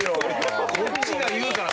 こっちが言うから。